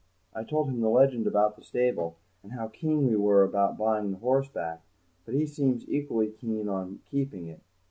I told him the legend about the stable, and how keen we were about buying the horse back, but he seems equally keen on keeping it.